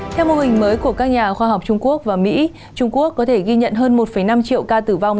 theo mô hình mới của các nhà khoa học trung quốc và mỹ trung quốc có thể ghi nhận hơn một năm triệu ca tử vong